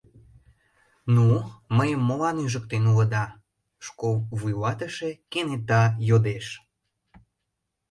— Ну, мыйым молан ӱжыктен улыда? — школ вуйлатыше кенета йодеш.